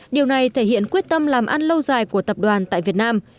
điều này thể hiện quyết tâm làm ăn lâu dài của tập đoàn tại việt nam